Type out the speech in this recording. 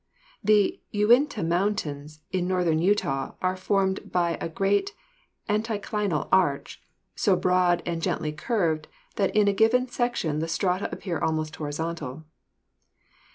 The Uinta Moun tains in northern Utah are formed by a great anticlinal arch, so broad and gently curved that in a given section the strata appear almost horizontal.